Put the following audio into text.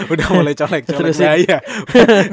udah mulai colek colek